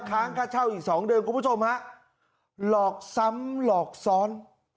ค้างค่าเช่าอีกสองเดือนคุณผู้ชมฮะหลอกซ้ำหลอกซ้อน